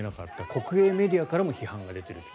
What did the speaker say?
国名メディアからも批判が出ていると。